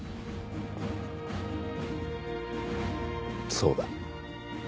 そうだ。